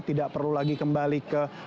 tidak perlu lagi kembali ke